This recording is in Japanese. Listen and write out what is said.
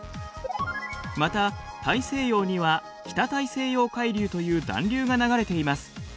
また大西洋には北大西洋海流という暖流が流れています。